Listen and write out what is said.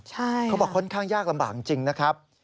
เขาบอกค่อนข้างยากลำบากจริงนะครับ